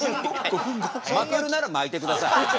巻けるなら巻いてください。